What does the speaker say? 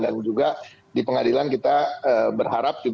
dan juga di pengadilan kita berharap